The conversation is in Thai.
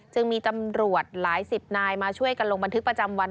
จึงมีตำรวจหลายสิบนายมาช่วยกันลงบันทึกประจำวัน